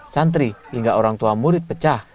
santri hingga orang tua murid pecah